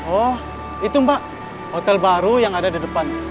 oh itu mbak hotel baru yang ada di depan